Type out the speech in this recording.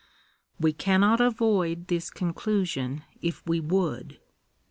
We cannot avoid this conclusion, if we would.